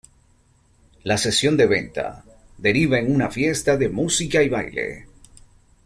La sesión de venta deriva en una fiesta de música y baile.